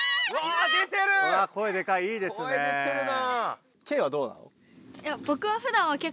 わ出てるな！